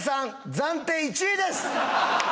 暫定１位です